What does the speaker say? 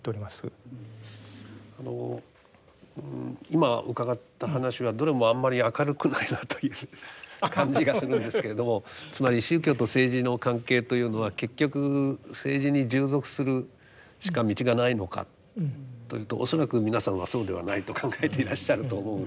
あの今伺った話はどれもあんまり明るくないなという感じがするんですけれどもつまり宗教と政治の関係というのは結局政治に従属するしか道がないのかというと恐らく皆さんはそうではないと考えていらっしゃると思うので。